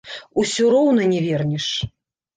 Усё роўна не вернеш.